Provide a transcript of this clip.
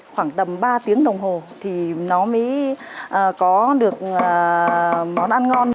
khoảng tầm ba tiếng đồng hồ thì nó mới có được món ăn ngon